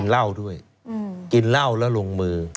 เหล้าด้วยกินเหล้าแล้วลงมือ